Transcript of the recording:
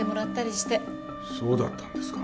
そうだったんですか。